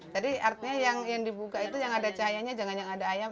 jadi artinya yang dibuka itu yang ada cahayanya jangan yang ada ayam